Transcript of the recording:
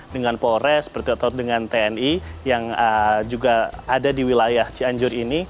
dengan polres seperti atau dengan tni yang juga ada di wilayah cianjur ini